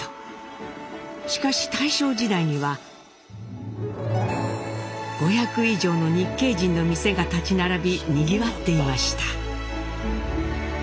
しかし大正時代には５００以上の日系人の店が立ち並びにぎわっていました。